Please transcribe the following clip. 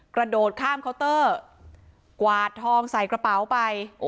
กระโดดข้ามเคาน์เตอร์กวาดทองใส่กระเป๋าไป